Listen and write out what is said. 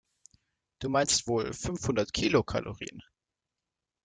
Du meinst wohl fünfhundert Kilokalorien.